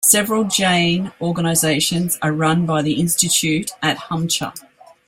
Several Jain organizations are run by the institute at Humcha.